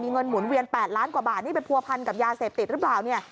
เงินหมุนเวียน๘ล้านกว่าบาทนี่ไปผัวพันกับยาเสพติดหรือเปล่าเนี่ย